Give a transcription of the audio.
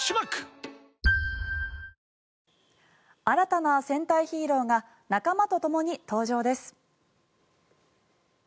新たな戦隊ヒーローが仲間とともに登場です。